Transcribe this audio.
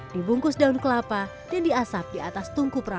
dibungkus daun kelapa dan diasap di atas tungku perahu